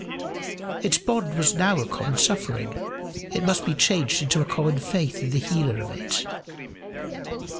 Its bond was now a common suffering; it must be changed to a common faith in the healer of it.